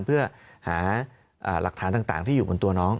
เพื่อหาหลักฐานต่างที่อยู่บนตัวน้อง